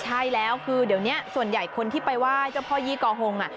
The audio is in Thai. ใช่แล้วคือเดี๋ยวนี้ส่วนใหญ่คนที่ไปไหว้เจ้าพ่อยี่กอฮง